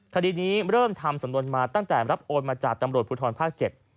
คดีนี้เริ่มทำสำนวนมาตั้งแต่รับโอนมาจากตำรวจภูทรภาค๗